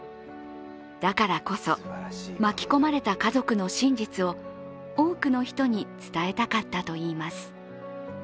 だからこそ巻き込まれた家族の真実を多くの人に伝えたかったといいます。